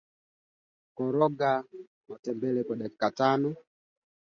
Sauti ya Amerika imekua mstari wa mbele katika kutangaza matukio muhimu ya dunia